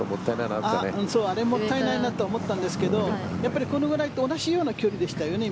あれももったいないなと思ったんですがこれぐらいと同じ距離でしたよね。